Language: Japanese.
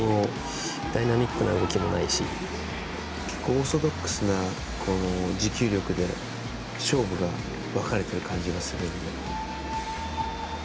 結構、オーソドックスな持久力で勝負が分かれている感じがするので。